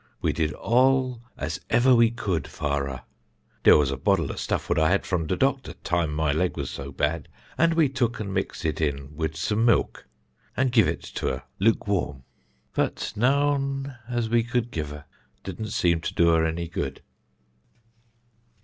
We did all as ever we could for her. There was a bottle of stuff what I had from the doctor, time my leg was so bad, and we took and mixed it in with some milk and give it to her lew warm, but naun as we could give her didn't seem to do her any good."